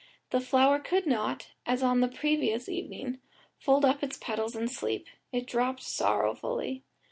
The flower could not, as on the previous evening, fold up its petals and sleep; it dropped sorrowfully.